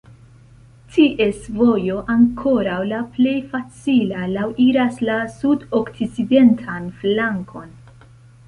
Ties vojo, ankoraŭ la plej facila, laŭiras la sudokcidentan flankon.